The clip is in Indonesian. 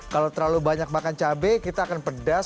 kalau terlalu banyak makan cabai kita akan pedas